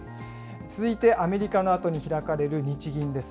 続いてアメリカのあとに開かれる日銀です。